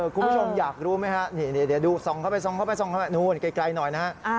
คุณผู้ชมอยากรู้ไหมคะเดี๋ยวดูส่องเข้าไปนู่นไกลหน่อยนะฮะ